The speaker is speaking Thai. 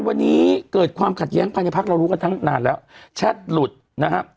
วันนี้เกิดความขัดแย้งภายในพักเรารู้กันทั้งนานแล้วแชทหลุดนะครับ